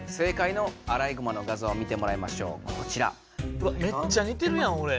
うわめっちゃにてるやんおれ。